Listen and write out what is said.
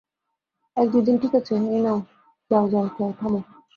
এক দুই তিন ঠিক আছে, এই নাও যাও যাও যাও - থামো।